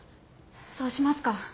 そうしますか。